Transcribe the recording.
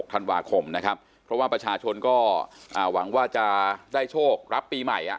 ธันวาคมนะครับเพราะว่าประชาชนก็หวังว่าจะได้โชครับปีใหม่